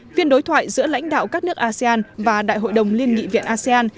phiên đối thoại giữa lãnh đạo các nước asean và đại hội đồng liên nghị viện asean